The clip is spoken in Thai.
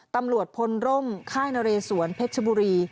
ตำรวจพลร่มค่ายนเรสวนเพชรชบุรี